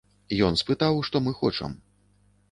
Ён спытаў, што мы хочам.